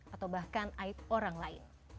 atau bahkan aib orang lain